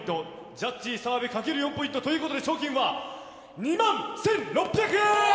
ジャッジ澤部、かける４ポイントということで賞金は２万１６００円！